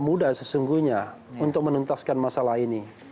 jadi itu tidak mudah sesungguhnya untuk menuntaskan masalah ini